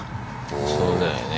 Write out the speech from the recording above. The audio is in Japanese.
そうだよね。